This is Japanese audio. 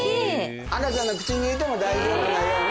赤ちゃんの口に入れても大丈夫なような。